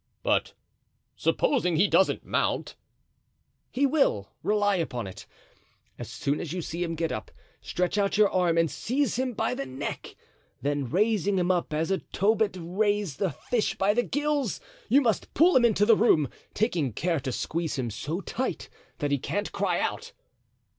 "But supposing he doesn't mount?" "He will; rely upon it. As soon as you see him get up, stretch out your arm and seize him by the neck. Then, raising him up as Tobit raised the fish by the gills, you must pull him into the room, taking care to squeeze him so tight that he can't cry out."